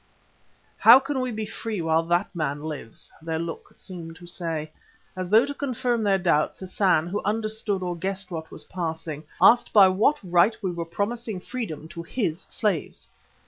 How can we be free while that man lives, their look seemed to say. As though to confirm their doubts Hassan, who understood or guessed what was passing, asked by what right we were promising freedom to his slaves.